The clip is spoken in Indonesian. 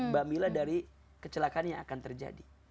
bamiila dari kecelakaan yang akan terjadi